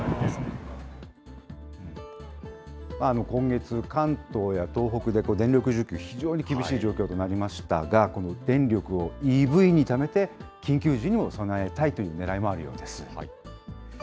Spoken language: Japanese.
今月、関東や東北で電力需給、非常に厳しい状況となりましたが、この電力をＥＶにためて、緊急時にも備えたいというねらいもあるようです。